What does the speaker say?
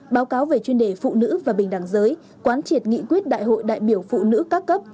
báo cáo về chuyên đề phụ nữ và bình đẳng giới quán triệt nghị quyết đại hội đại biểu phụ nữ các cấp